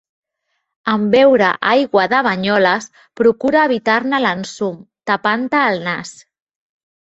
En beure aigua de Banyoles procura evitar-ne l'ensum tapant-te el nas.